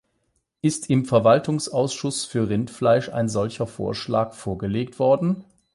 Ist im Verwaltungsausschuss für Rindfleisch ein solcher Vorschlag vorgelegt worden?